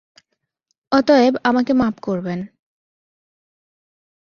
অতএব আমাকে মাপ করবেন।